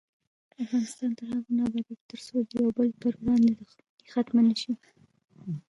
افغانستان تر هغو نه ابادیږي، ترڅو د یو بل پر وړاندې دښمني ختمه نشي.